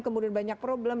kemudian banyak problem